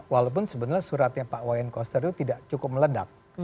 walaupun sebenarnya suratnya pak wayan koster itu tidak cukup meledak